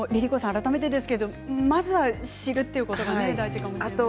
改めてですけれどまずは知るということが大事かもしれないですね。